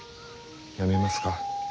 やめますか？